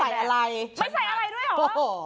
ไม่ใส่อะไรด้วยหรอ